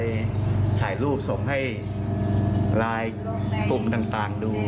ก็เลยถ่ายรูปส่งให้ลายกลุ่มต่างดู